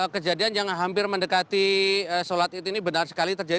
kejadian yang hampir mendekati sholat id ini benar sekali terjadi